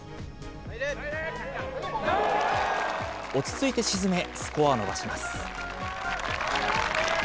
落ち着いて沈め、スコアを伸ばします。